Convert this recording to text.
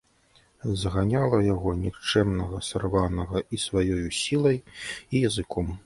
Заганяла яго, нікчэмнага, сарванага, і сваёю сілай і языком.